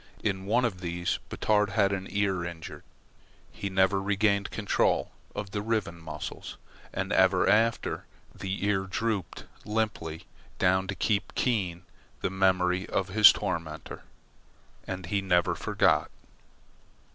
In one of these Batard had an ear injured. He never regained control of the riven muscles, and ever after the ear drooped limply down to keep keen the memory of his tormentor. And he never forgot.